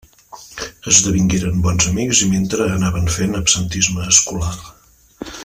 Esdevingueren bons amics i mentre anaven fent absentisme escolar.